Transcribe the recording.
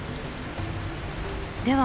では